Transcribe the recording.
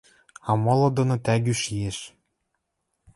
А молот дон тӓгӱ шиэш.